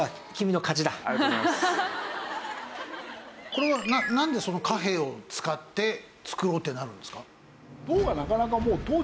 これはなんでその貨幣を使って造ろうってなるんですか？